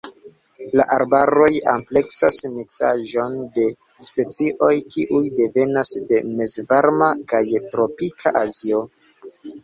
La arbaroj ampleksas miksaĵon de specioj kiuj devenas de mezvarma kaj tropika Azio.